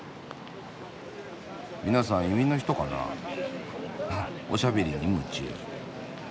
皆さん移民の人かな？ははっおしゃべりに夢中。